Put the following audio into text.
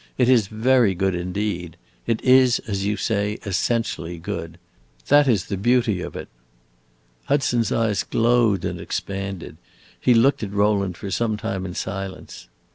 "It is very good indeed. It is, as you say, essentially good. That is the beauty of it." Hudson's eyes glowed and expanded; he looked at Rowland for some time in silence.